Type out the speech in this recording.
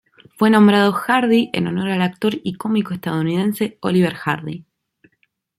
Fue nombrado Hardy en honor al actor y cómico estadounidense Oliver Hardy.